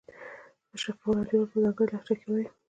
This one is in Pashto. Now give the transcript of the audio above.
مشرقي وال انډیوال په ځانګړې لهجه کې وایي.